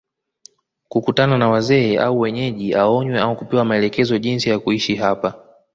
kukutana na Wazee au Wenyeji aonywe au kupewa maelekezo jinsi ya kuishi hapa